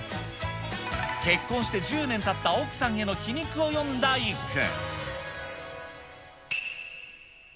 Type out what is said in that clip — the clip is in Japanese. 結婚して１０年たった奥さんへの皮肉を詠んだ一句。